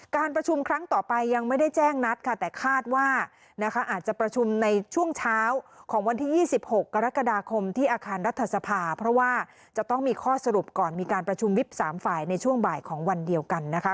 กรกฎาคมที่อาคารรัฐสภาพเพราะว่าจะต้องมีข้อสรุปก่อนมีการประชุมวิบสามฝ่ายในช่วงบ่ายของวันเดียวกันนะคะ